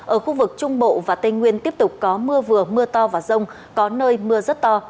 ở khu vực trung bộ và tây nguyên tiếp tục có mưa vừa mưa to và rông có nơi mưa rất to